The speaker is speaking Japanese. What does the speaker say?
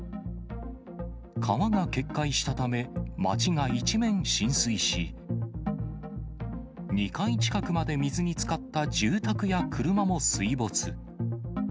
川が決壊したため、町が一面浸水し、２階近くまで水につかった住宅や車も水没。